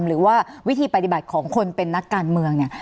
หรือว่าวิธีปฏิบัติของคนเป็นนักการเมืองเนี่ย